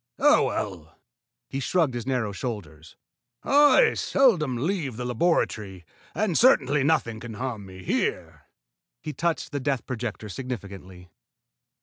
Oh, well!" He shrugged his narrow shoulders. "I seldom leave the laboratory, and certainly nothing can harm me here." He touched the death projector significantly.